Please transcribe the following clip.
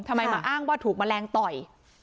ทำไมมันอ้างว่าถูกแมลงต่อย